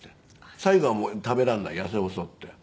最後はもう食べられない痩せ細って。